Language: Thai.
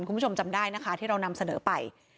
คุณผู้ชมจำได้นะคะที่เรานำเสนอไป